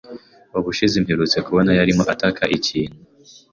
Ubushize mperutse kubona , yarimo ataka ikintu.